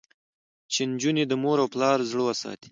چې نجونې د مور او پلار زړه وساتي.